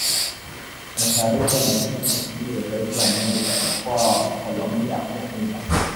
Imetayarishwa na Kennes Bwire, Sauti ya Amerika, Mkoa wa Colombia Washington.